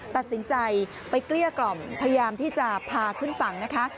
ตัดสินใจไปเกลี้ยกล่อมพยายามที่จะพาขึ้นฝั่งนะคะ